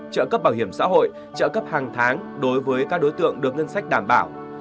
trợ cấp bảo hiểm xã hội trợ cấp hàng tháng đối với các đối tượng được ngân sách đảm bảo